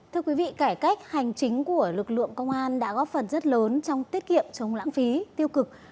thưa quý vị cải cách hành chính của lực lượng công an đã góp phần rất lớn trong tiết kiệm chống lãng phí tiêu cực